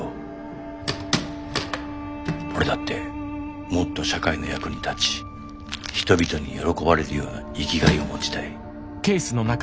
俺だってもっと社会の役に立ち人々に喜ばれるような生きがいを持ちたい。